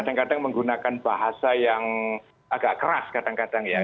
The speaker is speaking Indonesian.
kadang kadang menggunakan bahasa yang agak keras kadang kadang ya